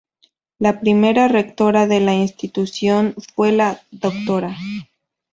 La primera rectora de la institución fue la Dra.